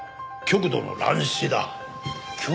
極度の乱視？